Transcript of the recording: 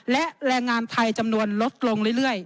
และแรงงานไทยจำนวนลดลงเรื่อย